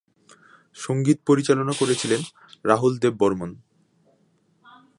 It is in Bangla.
সঙ্গীত পরিচালনা করেছিলেন রাহুল দেব বর্মণ।